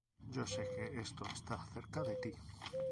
Yo sé que esto está cerca de ti.